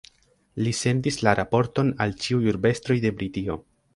Li sendis la raporton al ĉiuj urbestroj de Britio.